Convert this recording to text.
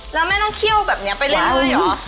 แล้วแม่ต้องเขี้ยวแบบนี้ไปเร่งด้วยหรอ